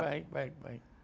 baik baik baik